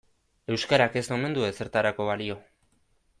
Euskarak ez omen du ezertarako balio.